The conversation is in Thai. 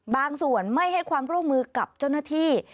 บางส่วนไม่ให้ความร่วมมือกับเจ้าหน้าที่